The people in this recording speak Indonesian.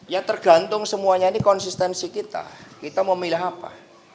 ya tergantung semuanya ini konsistensi kita kita mau milih apa